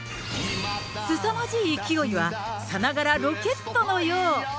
すさまじい勢いは、さながらロケットのよう。